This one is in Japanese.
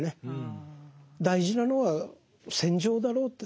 大事なのは戦場だろうって。